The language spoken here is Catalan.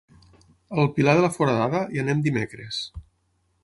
A el Pilar de la Foradada hi anem dimecres.